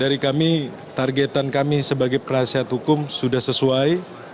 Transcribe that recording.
dari kami targetan kami sebagai penasihat hukum sudah sesuai